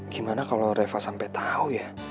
gimana kalau reva sampai tahu ya